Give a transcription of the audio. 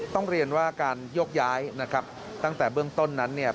ต้องเรียนว่าการโยกย้ายนะครับตั้งแต่เบื้องต้นนั้นเนี่ย